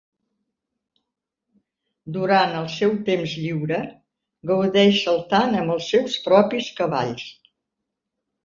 Durant el seu temps lliure, gaudeix saltant amb els seus propis cavalls.